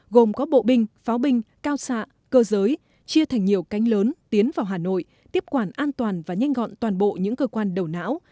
gồm có bộ binh pháo binh cao xạ cơ giới chia thành nhiều cánh lớn tiến vào hà nội tiếp quản an toàn và nhanh gọn toàn bộ những cơ quan đầu não